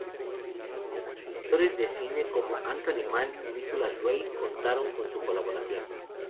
Directores de cine como Anthony Mann y Nicholas Ray contaron con su colaboración.